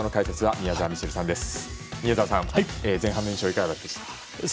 宮澤さん、前半の印象いかがでしたか？